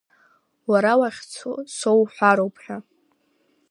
Уара уахьцо соуҳәароуп, ҳәа.